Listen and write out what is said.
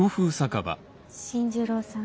新十郎さん